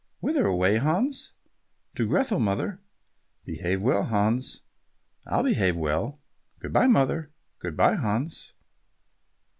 "Whither away, Hans?" "To Grethel, mother." "Behave well, Hans." "I'll behave well. Good bye, mother." "Good bye, Hans."